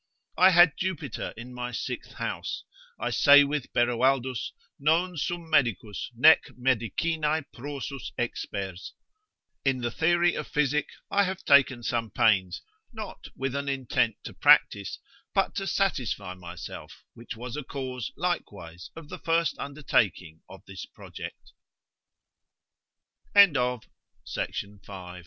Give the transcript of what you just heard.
I had Jupiter in my sixth house; I say with Beroaldus, non sum medicus, nec medicinae prorsus expers, in the theory of physic I have taken some pains, not with an intent to practice, but to satisfy myself, which was a cause likewise of the first undertaking of this subject.